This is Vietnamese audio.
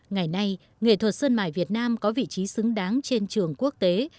ngày nay nghệ thuật sơn mài việt nam có vị trí xứng đáng trên trường quốc tế